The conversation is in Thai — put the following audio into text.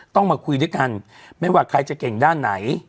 ต้องมาคุยด้วยกันไม่ว่าใครจะเก่งด้านไหน